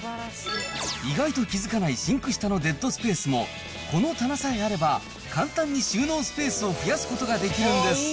意外と気付かないシンク下のデッドスペースも、この棚さえあれば、簡単に収納スペースを増やすことができるんです。